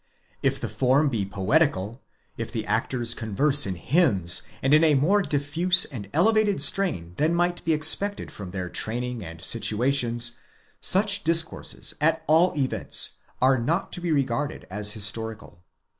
If the form be poetical, if the actors converse in hymns, and in a more diffuse and elevated strain than might be expected from their training and situations, such discourses, at all events, are not to be regarded as historical.